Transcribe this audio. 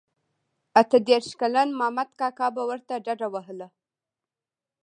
اته دیرش کلن مخامد کاکا به ورته ډډه وهله.